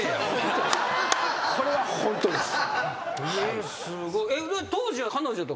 これはホントです。